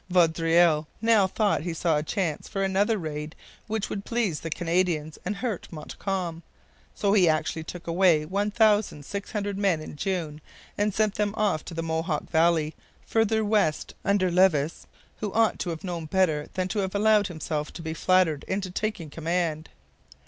Vaudreuil now thought he saw a chance for another raid which would please the Canadians and hurt Montcalm. So he actually took away 1,600 men in June and sent them off to the Mohawk valley, farther west, under Levis, who ought to have known better than to have allowed himself to be flattered into taking command.